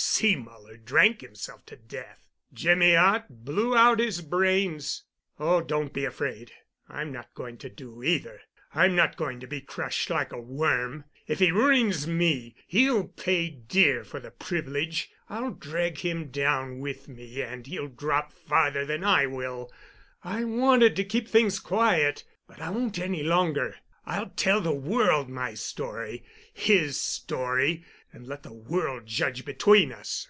Seemuller drank himself to death. Jimmy Ott blew out his brains. Oh, don't be afraid—I'm not going to do either—I'm not going to be crushed like a worm. If he ruins me, he'll pay dear for the privilege. I'll drag him down with me, and he'll drop farther than I will. I wanted to keep things quiet—but I won't any longer. I'll tell the world my story—his story, and let the world judge between us."